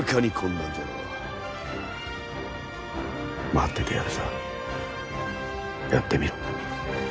待っててやるさやってみろ。